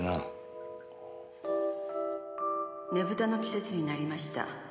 「ねぶたの季節になりました。